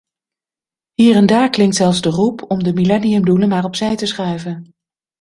Hier en daar klinkt zelfs de roep om de millenniumdoelen maar opzij te schuiven.